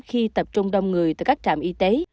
khi tập trung đông người từ các trạm y tế